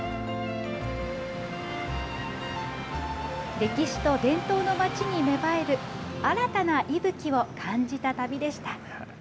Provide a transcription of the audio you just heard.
歴史と伝統の町に芽生える、新たな息吹を感じた旅でした。